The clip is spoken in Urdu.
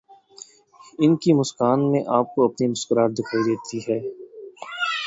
ان کی مسکان میں آپ کو اپنی مسکراہٹ دکھائی دیتی ہے۔